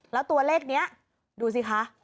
แล้วตัวเลขนี้ดูสิคะ